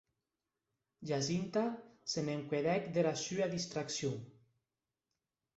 Jacinta se n’encuedèc dera sua distraccion.